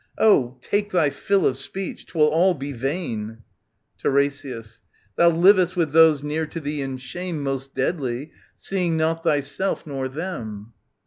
Oh, take thy fill of speech : 'twill all be vain. TiRESIAS. Thou livcst with those near to thee in shame Most deadly, seeing noi thyself nor them.